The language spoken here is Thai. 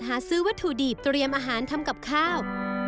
หาซื้อวัตถุดิบเตรียมอาหารทำกับข้าว